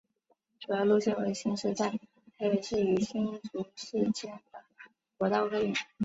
主要路线为行驶在台北市与新竹市间的国道客运。